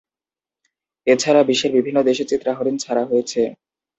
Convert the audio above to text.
এছাড়া বিশ্বের বিভিন্ন দেশে চিত্রা হরিণ ছাড়া হয়েছে।